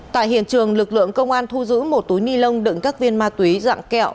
tại hiện trường lực lượng công an thu giữ một túi ni lông đựng các viên ma túy dạng kẹo